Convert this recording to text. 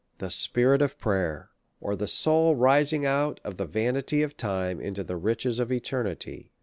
The Spirit of Prayer ; or, the Soul rising out of the Vanity of Time into the Riches of Eternity.